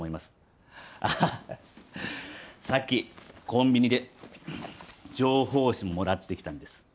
あっさっきコンビニで情報誌もらってきたんです。